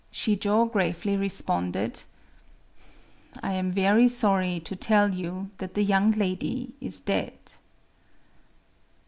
Shijō gravely responded,—"I am very sorry to tell you that the young lady is dead!"